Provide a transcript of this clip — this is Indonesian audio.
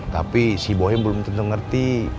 tapi si bohim belum tentu ngerti